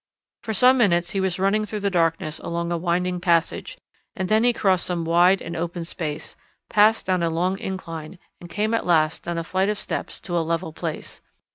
For some minutes he was running through the darkness along a winding passage, and then he crossed some wide and open space, passed down a long incline, and came at last down a flight of steps to a level place.